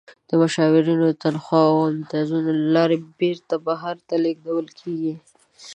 د مشاورینو د تنخواوو او امتیازاتو له لارې بیرته بهر ته لیږدول کیږي.